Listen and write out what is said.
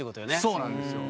そうなんですよ。